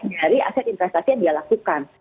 dari aset investasi yang dia lakukan